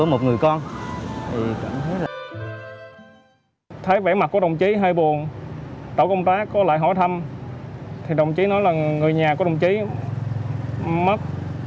mẹ của đồng chí mất